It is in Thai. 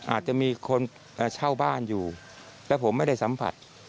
อาจจะมีคนเช่าบ้านอยู่แล้วผมไม่ได้สัมผัส